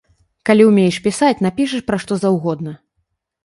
Калі ўмееш пісаць, напішаш пра што заўгодна.